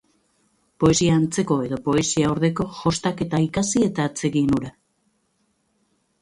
Poesia antzeko edo poesia ordeko jostaketa ikasi eta atsegin hura.